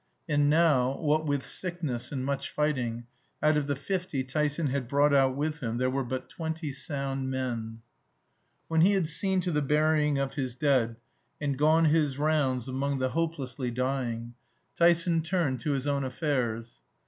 And now, what with sickness and much fighting, out of the fifty Tyson had brought out with him there were but twenty sound men. When he had seen to the burying of his dead, and gone his rounds among the hopelessly dying, Tyson turned to his own affairs.